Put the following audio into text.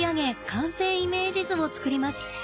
完成イメージ図を作ります。